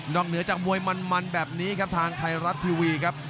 เหนือจากมวยมันแบบนี้ครับทางไทยรัฐทีวีครับ